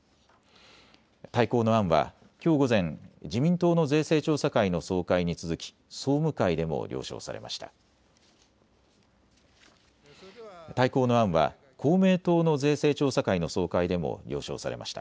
大綱の案はきょう午前、自民党の税制調査会の総会に続き総務会でも了承されました。